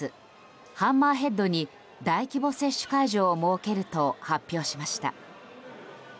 ハンマーヘッドに大規模接種会場を設けると発表しました。